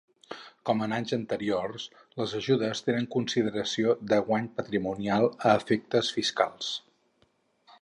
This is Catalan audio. Com en anys anteriors, les ajudes tenen consideració de guany patrimonial a efectes fiscals.